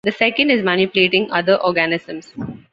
The second is manipulating other organisms.